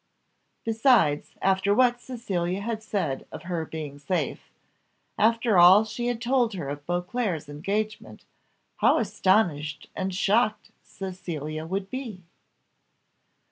Besides, after what Cecilia had said of her being safe; after all she had told her of Beauclerc's engagement, how astonished and shocked Cecilia would be!